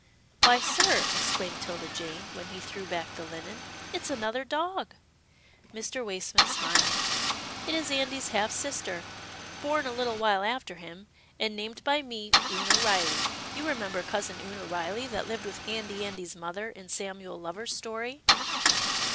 " Why, sir," exclaimed 'Tilda Jane when he threw back the linen, it's another dog." Mr. Waysmith smiled. " It is Andy's half sister, born a little while after him, and named by me Oonah Riley. You remember Cousin Oonah Riley, that lived with Handy Andy's mother in Samuel Lover's story